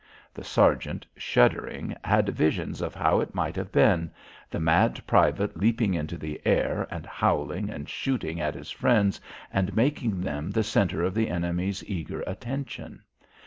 The sergeant, shuddering, had visions of how it might have been the mad private leaping into the air and howling and shooting at his friends and making them the centre of the enemy's eager attention.